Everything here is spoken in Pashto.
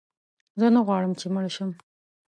زه نه غواړم چې مړ شم.